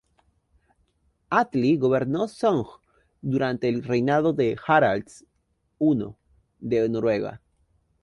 Atli gobernó Sogn durante el reinado de Harald I de Noruega.